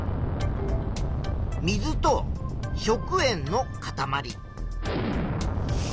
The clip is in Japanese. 水と食塩のかたまり。